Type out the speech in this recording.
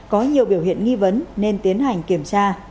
có nhiều biểu hiện nghi vấn nên tiến hành kiểm tra